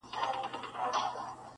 دا آخره زمانه ده په پیمان اعتبار نسته-